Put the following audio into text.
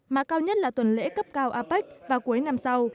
mà cao nhất là tuần lễ cấp cao apec vào cuối năm sau